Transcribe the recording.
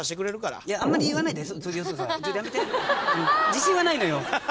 自信はないのよ。